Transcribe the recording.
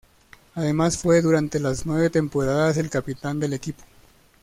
Además fue durante las nueve temporadas el capitán del equipo.